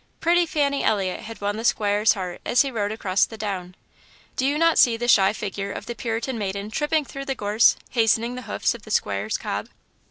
Pretty Fanny Elliot had won the squire's heart as he rode across the down. Do you not see the shy figure of the Puritan maiden tripping through the gorse, hastening the hoofs of the squire's cob?